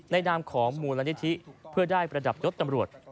นามของมูลนิธิเพื่อได้ประดับยศตำรวจ